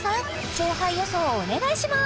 勝敗予想をお願いします